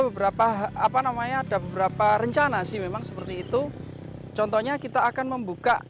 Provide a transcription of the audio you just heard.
beberapa apa namanya ada beberapa rencana sih memang seperti itu contohnya kita akan membuka